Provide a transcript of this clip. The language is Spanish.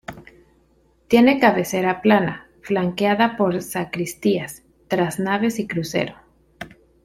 Tiene cabecera plana -flanqueada por sacristías-, tras naves y crucero.